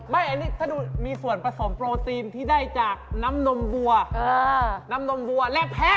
ไม่แบบนี้มีส่วนผสมโปรตีนที่ได้จากน้ำนมบัวและแพ้